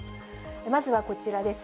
まずはこちらです。